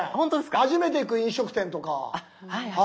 初めて行く飲食店とか。